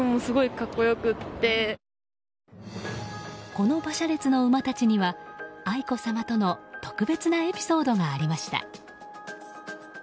この馬車列の馬たちには愛子さまとの特別なエピソードがありました。